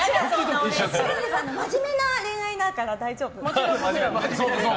真面目な恋愛だから大丈夫。